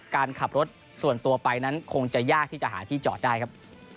การขับรถส่วนตัวไปนั้นคงจะยากที่จะหาที่จอดได้ครับ